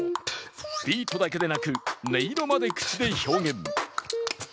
ビートだけでなく、音色まで口で表現。